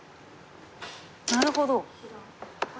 なるほど。